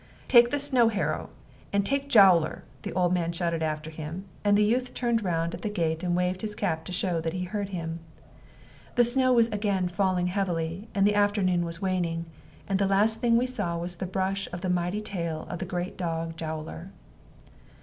"Take the snow harrow, and take Jowler," the old man shouted after him, and the youth turned round at the gate and waved his cap to show that he heard him. The snow was again falling heavily, and the afternoon was waning; and the last thing we saw was the brush of the mighty tail of the great dog Jowler.